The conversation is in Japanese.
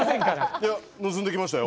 いや盗んできましたよ。